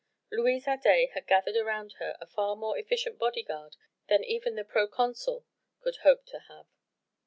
Louise Adet had gathered round her a far more efficient bodyguard than even the proconsul could hope to have.